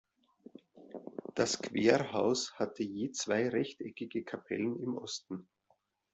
Das Querhaus hatte je zwei rechteckige Kapellen im Osten.